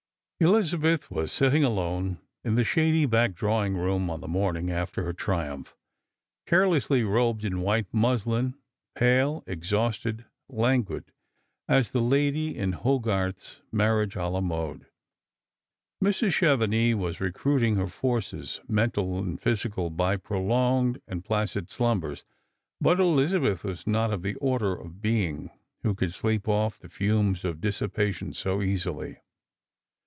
Elizabeth was sitting alone in the shady back drawing room on the morning after her triumph, carelessly robed in white muslin. 208 Strangers and Pilgrims. pale, exhausted, languid as the lady in Hogarth's " Marriaj^e S la Mode." Mrs. Chevenix was recruiting her forces, mental and physical, by prolonged and placid slumbers; but Elizabeth was not of the order of being who can sleep off the fumes of dissipa tion so easily.